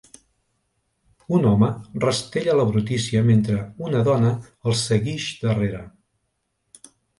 Un home rastella la brutícia mentre una dona el seguix darrera.